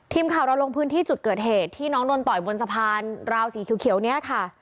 ทีมข่าวเราลงพื้นที่จุดเกิดเหตุที่น้องโดนต่อยบนสะพานราวสีเขียวนี้ค่ะ